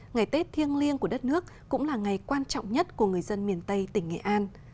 ngày tết thiêng liêng của đất nước cũng là ngày quan trọng nhất của người dân miền tây tỉnh nghệ an